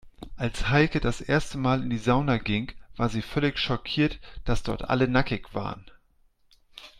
Als Heike das erste Mal in die Sauna ging, war sie völlig schockiert, dass dort alle nackig waren.